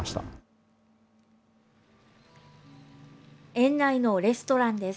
園内のレストランです。